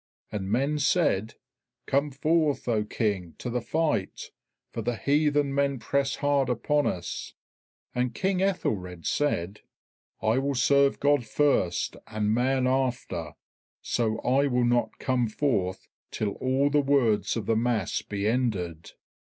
And men said, "Come forth, O King, to the fight, for the heathen men press hard upon us." And King Aethelred said, "I will serve God first and man after, so I will not come forth till all the words of the mass be ended."